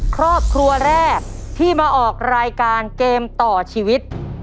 ครอบครัวแรกที่มาออกรายการเกมต่อชีวิต